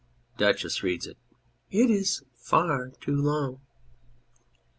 DUCHESS (reads if). It is far too long.